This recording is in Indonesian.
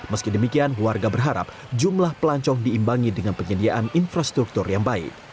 meski demikian warga berharap jumlah pelancong diimbangi dengan penyediaan infrastruktur yang baik